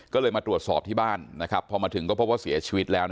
ก็เลยมาตรวจสอบที่บ้านพอมาถึงก็เพราะเสียชีวิตแล้ว